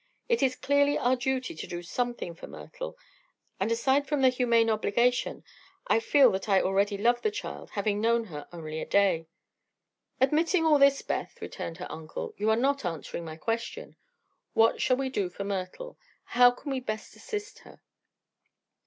It is clearly our duty to do something for Myrtle, and aside from the humane obligation I feel that already I love the child, having known her only a day." "Admitting all this, Beth," returned her uncle, "you are not answering my question. What shall we do for Myrtle? How can we best assist her?"